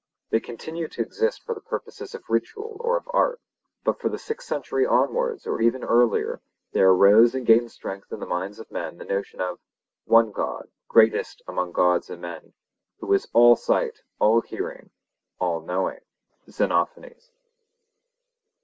They continued to exist for the purposes of ritual or of art; but from the sixth century onwards or even earlier there arose and gained strength in the minds of men the notion of 'one God, greatest among Gods and men, who was all sight, all hearing, all knowing' (Xenophanes).